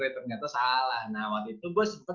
ternyata salah nah waktu itu gue sempat